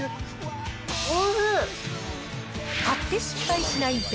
おいしい！